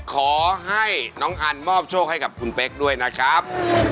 ขอให้น้องอันมอบโชคให้กับคุณเป๊กด้วยนะครับ